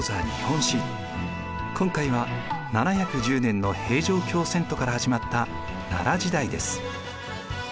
今回は７１０年の平城京遷都から始まった奈良時代です。